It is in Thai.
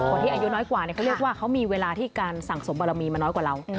อายุน้อยกว่าเขาเรียกว่าเขามีเวลาที่การสั่งสมบารมีมาน้อยกว่าเรา